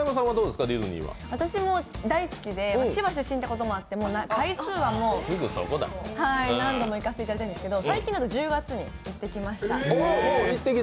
私も大好きで、千葉出身ということもあって回数はもう何度も行かせていただいたんですけど、最近だと１０月に行ってきました。